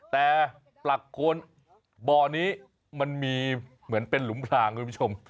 แต่ปลักโคนบ่อนี้มันมีเหมือนเป็นหลุมพลางคุณผู้ชม